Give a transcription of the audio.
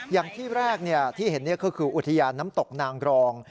อย่างที่แรกที่เห็นก็คืออุทยานน้ำตกนางกรอง